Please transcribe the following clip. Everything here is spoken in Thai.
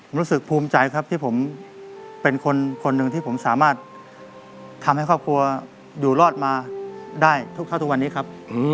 รู้สึกภูมิใจครับที่ผมเป็นคนหนึ่งที่ผมสามารถทำให้ครอบครัวอยู่รอดมาได้ทุกเท่าทุกวันนี้ครับ